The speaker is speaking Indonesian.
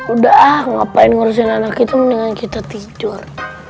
udah ngapain ngurusin anak kita mendingan kita tidur